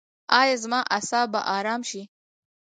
ایا زما اعصاب به ارام شي؟